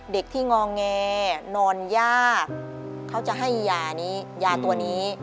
เด็กที่งอแงนอนยากเขาจะให้ยานี้ยาตัวนี้